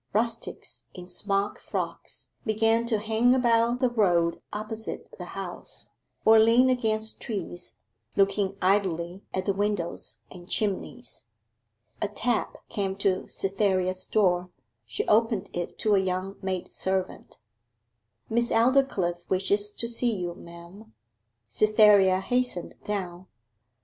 Rustics in smock frocks began to hang about the road opposite the house, or lean against trees, looking idly at the windows and chimneys. A tap came to Cytherea's door. She opened it to a young maid servant. 'Miss Aldclyffe wishes to see you, ma'am.' Cytherea hastened down.